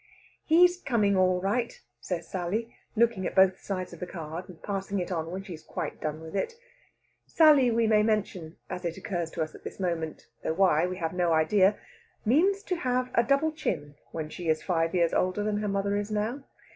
"He's coming all right," says Sally, looking at both sides of the card, and passing it on when she has quite done with it. Sally, we may mention, as it occurs to us at this moment, though why we have no idea, means to have a double chin when she is five years older than her mother is now.